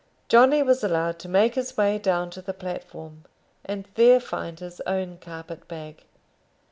Johnny was allowed to make his way down to the platform, and there find his own carpet bag.